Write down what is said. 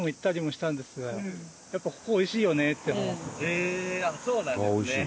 へえそうなんですね。